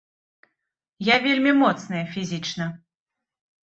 Я вельмі моцная фізічна!